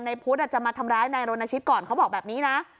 พุทธจะมาทำร้ายนายรณชิตก่อนเขาบอกแบบนี้นะ